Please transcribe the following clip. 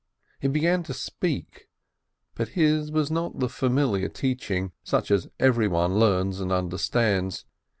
He began to speak, but his was not the familiar teaching, such as everyone learns and understands.